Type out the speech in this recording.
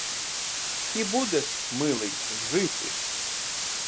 І будеш, милий, жити!